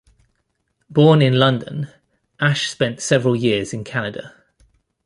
Born in London, Ashe spent several years in Canada.